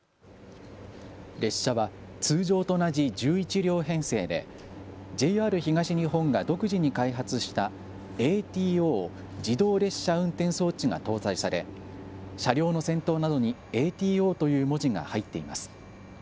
列車は通常と同じ１１両編成でＪＲ東日本が独自に開発したＡＴＯ・自動列車運転装置が搭載され車両の先頭などにＡＴＯという文字が入っています。